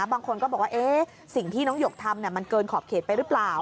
บางคนก็บอกว่าสิ่งที่น้องหยกทำมันเกินขอบเขตไปหรือเปล่า